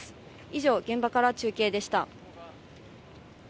以上、現場から中継でした。